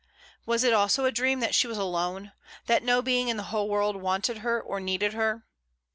Was it also a dream that she was alone — that no being in the whole world wanted her or needed her?